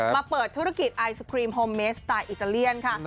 มาเปิดธุรกิจไอศครีมโฮมเมสไตล์อิตาเลียนค่ะ